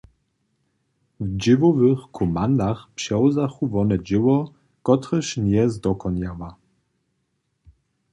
W dźěłowych komandach přewzachu wone dźěło, kotrež njeje zdokonjała.